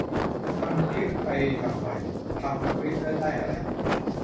ทำคลิปไปทำไม ทำคลิปแล้วได้อะไร